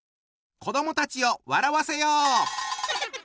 子どもたちを笑わせよう！